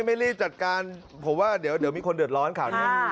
ไม่รีบจัดการเดี๋ยวมีคนเดือดร้อนค่ะ